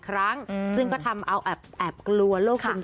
พี่นุ๊กพูดมาขนาดนี้อัปเดตเลยละกัน